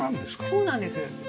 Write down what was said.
そうなんです。